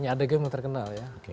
adegan yang terkenal ya